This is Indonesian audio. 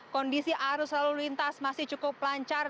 kondisi arus lalu lintas masih cukup lancar